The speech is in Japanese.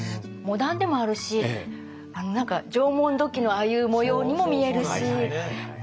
モダンでもあるし何か縄文土器のああいう模様にも見えるし。